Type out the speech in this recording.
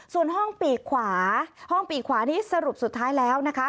ส่วนห้องปีกขวาห้องปีกขวานี้สรุปสุดท้ายแล้วนะคะ